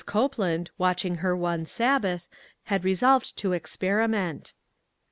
Copeland, watch ing her one Sabbath, had resolved to ex periment.